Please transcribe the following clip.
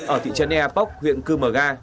ở thị trấn earpop huyện cư mở ga